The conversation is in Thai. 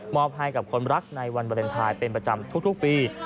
มอบให้กับคนรักในวันเวลาเวลาเป็นประจำทุกปี